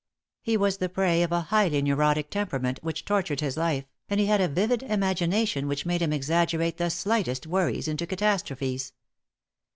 He was the prey of a highly neurotic temperament which tortured his life, and he had a vivid imagination which made him exaggerate the slightest worries into catastrophes.